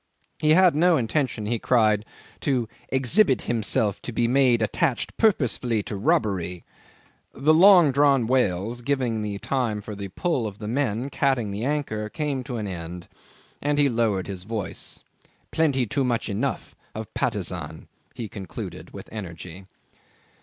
He had no intention, he cried, to "exhibit himself to be made attached purposefully to robbery." The long drawn wails, giving the time for the pull of the men catting the anchor, came to an end, and he lowered his voice. "Plenty too much enough of Patusan," he concluded, with energy.